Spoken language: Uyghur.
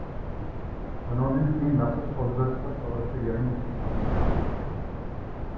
ئۇنىڭدىن كېيىن مەخسۇس ئوبزورچىلىق توغرىسىدا يىغىن ئېچىلىپ باقمىدى.